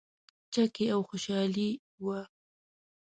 چکې او خوشحالي وه.